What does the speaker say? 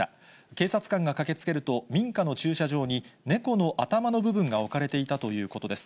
警察官が駆けつけると、民家の駐車場に猫の頭の部分が置かれていたということです。